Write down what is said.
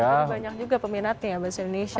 jadi banyak juga peminatnya bahasa indonesia